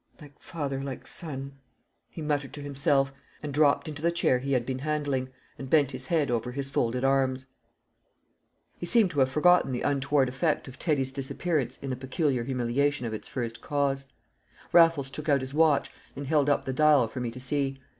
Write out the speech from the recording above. Like father, like son!" he muttered to himself, and dropped into the chair he had been handling, and bent his head over his folded arms. He seemed to have forgotten the untoward effect of Teddy's disappearance in the peculiar humiliation of its first cause. Raffles took out his watch, and held up the dial for me to see.